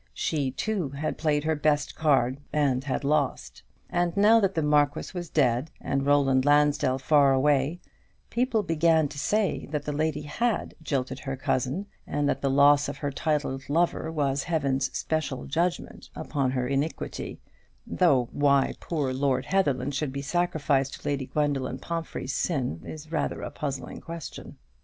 She, too, had played her best card, and had lost; and now that the Marquis was dead, and Rowland Lansdell far away, people began to say that the lady had jilted her cousin, and that the loss of her titled lover was Heaven's special judgment upon her iniquity, though why poor Lord Heatherland should be sacrificed to Lady Gwendoline Pomphrey's sin is rather a puzzling question.